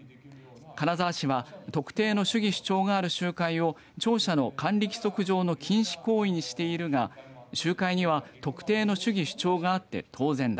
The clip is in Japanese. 金沢市は特定の主義主張がある集会を庁舎の管理規則上の禁止行為にしているが集会には特定の主義主張があって当然だ。